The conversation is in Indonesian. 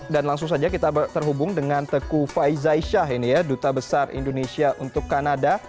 dan langsung saja kita terhubung dengan teguh faiz zaisyah ini ya duta besar indonesia untuk kanada